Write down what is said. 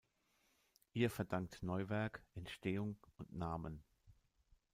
Ihr verdankt Neuwerk Entstehung und Namen.